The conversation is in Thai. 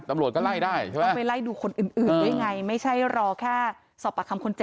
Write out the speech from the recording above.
ตำรวจก็ไล่ได้ใช่ไหมต้องไปไล่ดูคนอื่นด้วยไงไม่ใช่รอแค่สอบปากคำคนเจ็บ